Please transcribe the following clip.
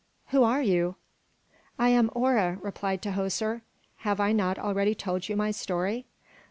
Who are you?" "I am Hora," replied Tahoser. "Have I not already told you my story?